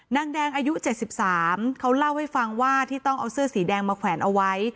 นางแดงอายุ๗๓เขาเล่าให้ฟังว่าที่ต้องเอาเสื้อสีแดงมาแขวนเอาไว้